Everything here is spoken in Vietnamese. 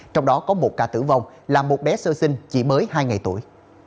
trong đó có một ca tử vong là một bé sơ sinh chỉ mới hai ngày tuổi